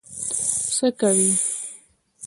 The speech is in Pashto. څه کوې؟